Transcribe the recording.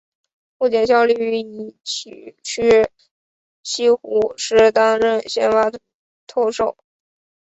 目前效力于崎玉西武狮担任先发投手。